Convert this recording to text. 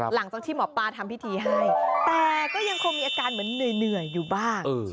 หลังจากที่หมอปลาทำพิธีให้แต่ก็ยังคงมีอาการเหมือนเหนื่อยอยู่บ้าง